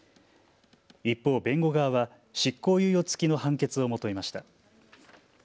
一方、弁護側は執行猶予付きの判決を求めました。